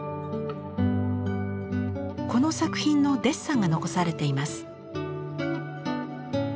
この作品のデッサンが残されています。